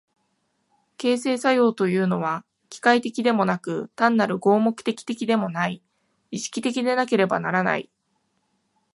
形成作用というのは機械的でもなく単なる合目的的でもない、意識的でなければならない。